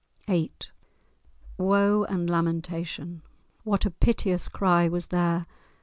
VIII Woe and woe and lamentation! What a piteous cry was there!